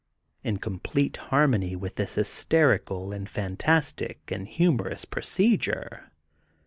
In complete hf^mony with this hysterical and fantastic and humor ous procedure.